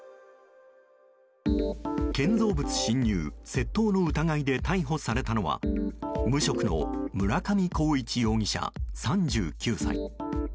建造物侵入・窃盗の疑いで逮捕されたのは無職の村上浩一容疑者、３９歳。